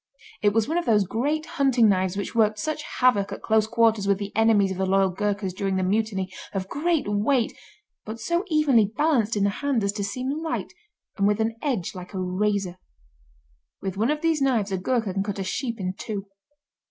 It was one of those great hunting knives which worked such havoc, at close quarters with the enemies of the loyal Ghourkas during the mutiny, of great weight but so evenly balanced in the hand as to seem light, and with an edge like a razor. With one of these knives a Ghourka can cut a sheep in two.